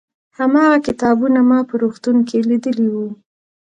هماغه کتابونه ما په روغتون کې لیدلي وو.